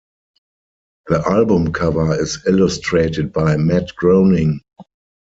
The album cover is illustrated by Matt Groening.